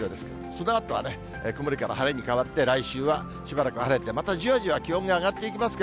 そのあとは曇りから晴れに変わって、来週はしばらく晴れて、またじわじわ気温が上がっていきます